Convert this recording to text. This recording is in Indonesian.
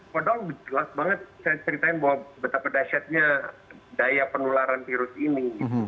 padahal jelas banget saya ceritain bahwa betapa dasyatnya daya penularan virus ini